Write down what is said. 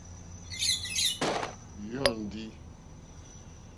Jóndì.